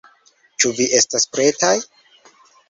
Ĉu vi estas pretaj?